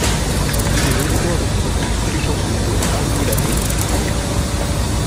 Il est l'auteur de presque toutes les chansons de Annihilator.